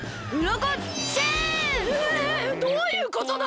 えどういうことだ！？